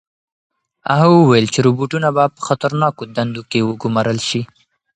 هغه وویل چې روبوټونه به په خطرناکو دندو کې وګمارل شي.